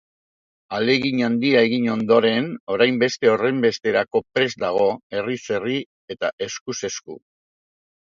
Ahalegin haindia egin ondoren, orain beste horrenbesterako prest dago, herriz herri eta eskuz esku.